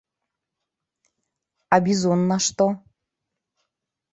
А бізун на што?